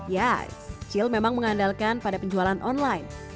yes cil memang mengandalkan pada penjualan online